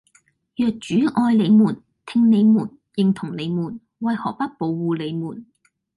若主愛你們，聽你們，認同你們，為何不保護你們？